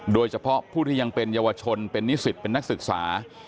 โดยเฉพาะผู้ที่ยังเป็นเยาวชนเป็นนิสิตเป็นนักศึกษา